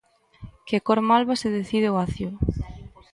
Que cor malva se decide o acio.